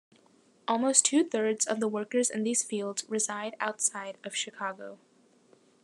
Almost two thirds of the workers in these fields reside outside of Chicago.